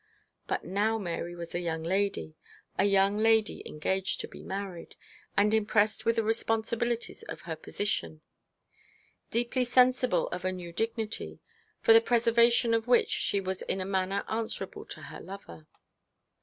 But now Mary was a young lady a young lady engaged to be married, and impressed with the responsibilities of her position, deeply sensible of a new dignity, for the preservation of which she was in a manner answerable to her lover.